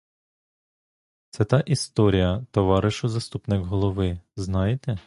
Це та історія, товаришу заступник голови, знаєте?